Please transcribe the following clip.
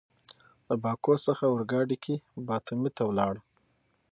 له باکو څخه اورګاډي کې باتومي ته ولاړ.